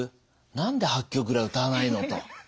何で８曲ぐらい歌わないの？」と。